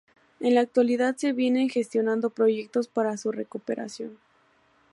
En la actualidad se vienen gestionando proyectos para su recuperación.